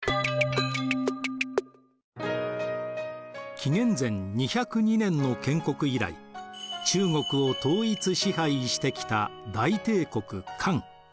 紀元前２０２年の建国以来中国を統一支配してきた大帝国漢。